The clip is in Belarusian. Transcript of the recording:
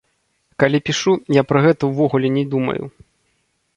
Калі пішу, я пра гэта ўвогуле не думаю.